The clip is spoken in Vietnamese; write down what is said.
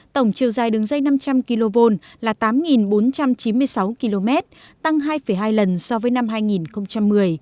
tổng chiều dài đứng dây năm trăm linh kv là tám bốn trăm chín mươi sáu km tăng hai hai lần so với năm hai nghìn một mươi